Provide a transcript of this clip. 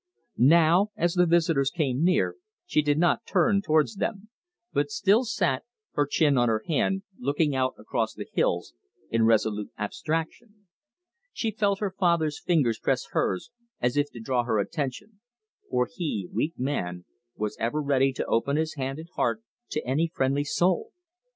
Now, as the visitors came near, she did not turn towards them, but still sat, her chin on her hand, looking out across the hills, in resolute abstraction. She felt her father's fingers press hers, as if to draw her attention, for he, weak man, was ever ready to open his hand and heart to any friendly soul.